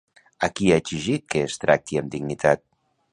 A qui ha exigit que es tracti amb dignitat?